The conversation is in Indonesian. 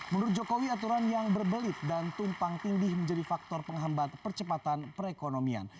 menurut jokowi aturan yang berbelit dan tumpang tindih menjadi faktor penghambat percepatan perekonomian